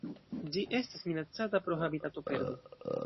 Ĝi estas minacata pro habitatoperdo.